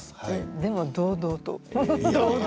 でも堂々と。